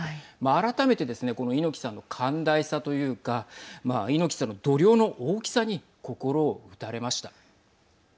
改めてですね、この猪木さんの寛大さというか猪木さんの度量の大きさに心を打たれました。